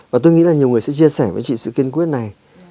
và tôi nghĩ là nhiều người sẽ chia sẻ với chị sự kiên quyết này